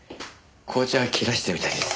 紅茶切らしてるみたいです。